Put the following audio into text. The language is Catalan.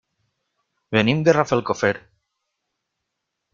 Venim de Rafelcofer.